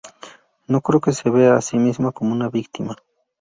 No creo que se vea a sí misma como una víctima.